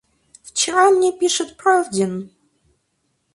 Вчера мне пишет Правдин...